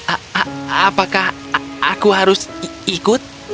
apakah aku harus ikut